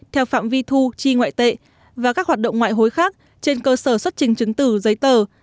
theo phạm vi thu chi ngoại tệ và các hoạt động ngoại hối khác trên cơ sở xuất trình chứng từ giấy tờ